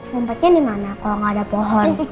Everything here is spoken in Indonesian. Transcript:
mumpetnya dimana kalau gak ada pohon